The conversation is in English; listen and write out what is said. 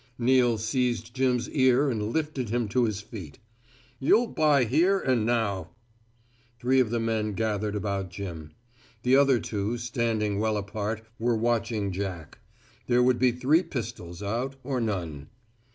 Neal seized Jim's ear and lifted him to his feet. "You'll buy here, and now." Three of the men gathered about Jim. The other two, standing well apart, were watching Jack. There would be three pistols out, or none.